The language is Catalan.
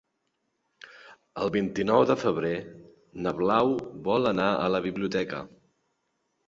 El vint-i-nou de febrer na Blau vol anar a la biblioteca.